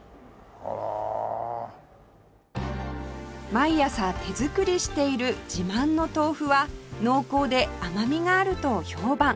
毎朝手作りしている自慢の豆腐は濃厚で甘みがあると評判